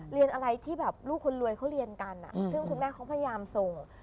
เรียนอะไรที่แบบลูกคนรวยเขาเรียนกันซึ่งคุณแม่เขาพยายามส่ง